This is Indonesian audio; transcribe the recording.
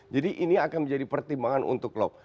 jadi ini akan menjadi pertimbangan untuk klub